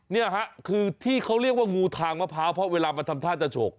นี่ฮะคือที่เขาเรียกว่างูทางมะพร้าวเพราะเวลามันทำท่าจะฉก